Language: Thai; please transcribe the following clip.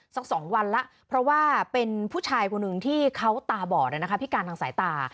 สัก๒วันแล้วเพราะว่าเป็นผู้ชายคนหนึ่งที่เขาตาบอดพิการทางสายตา